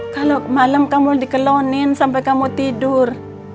kalau malam kamu dikelonin sampai kamu tidur